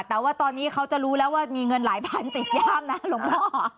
แต่ว่าตอนนี้เขาจะรู้แล้วว่ามีเงินหลายพันติดย่ามนะหลวงพ่อ